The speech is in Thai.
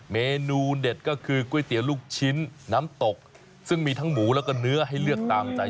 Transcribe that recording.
เมนูเด็ดก็คือก๋วยเตี๋ยวลูกชิ้นน้ำตกซึ่งมีทั้งหมูแล้วก็เนื้อให้เลือกตามใจ